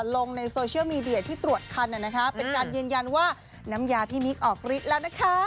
ลงในโซเชียลมีเดียที่ตรวจคันเป็นการยืนยันว่าน้ำยาพี่มิ๊กออกฤทธิ์แล้วนะคะ